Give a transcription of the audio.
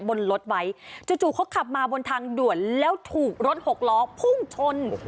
บนรถไว้จู่เขาขับมาบนทางด่วนแล้วถูกรถหกล้อพุ่งชน